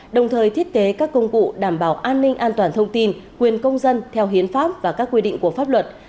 đồng thời thiết kế các công cụ đảm bảo an ninh an toàn thông tin quyền công dân theo hiến pháp và các quy định của pháp luật